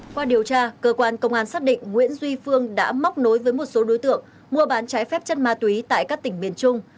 qua điều tra cơ quan công an xác định nguyễn duy phương đã móc nối với một số đối tượng mua bán trái phép chất ma túy tại các tỉnh miền trung